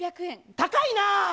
高いな。